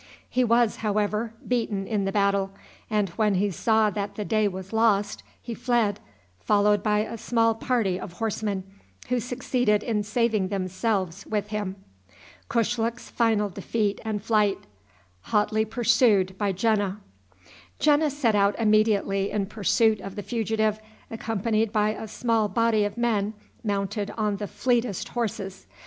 He was, however, beaten in the battle, and, when he saw that the day was lost, he fled, followed by a small party of horsemen, who succeeded in saving themselves with him. Jena set out immediately in pursuit of the fugitive, accompanied by a small body of men mounted on the fleetest horses.